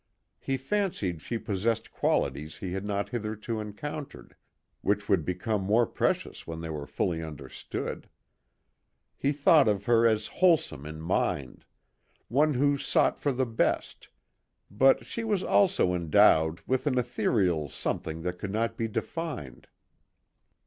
He fancied she possessed qualities he had not hitherto encountered, which would become more precious when they were fully understood. He thought of her as wholesome in mind; one who sought for the best; but she was also endowed with an ethereal something that could not be defined.